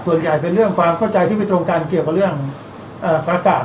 เป็นเรื่องความเข้าใจที่ไม่ตรงกันเกี่ยวกับเรื่องประกาศ